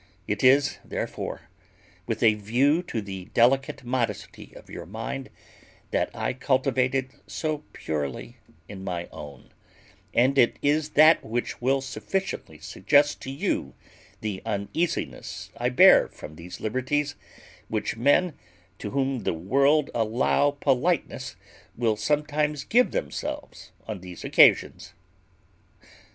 It is, therefore, with a view to the delicate modesty of your mind that I cultivate it so purely in my own; and it is that which will sufficiently suggest to you the uneasiness I bear from those liberties, which men to whom the world allow politeness will sometimes give themselves on these occasions.